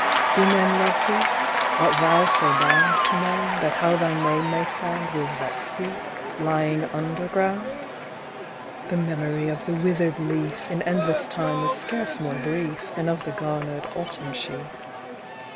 "Do men love thee? Art thou so bound To men, that how thy name may sound Will vex thee lying underground? "The memory of the wither'd leaf In endless time is scarce more brief Than of the garner'd Autumn sheaf.